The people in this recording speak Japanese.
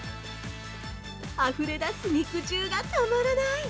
あふれ出す肉汁がたまらない！